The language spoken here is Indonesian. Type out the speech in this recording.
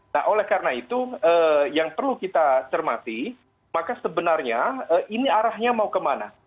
nah oleh karena itu yang perlu kita cermati maka sebenarnya ini arahnya mau kemana